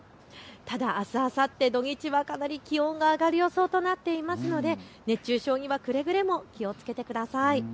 ただあす、あさって土日はかなり気温が上がる予想となっていますので熱中症にはくれぐれも気をつけてください。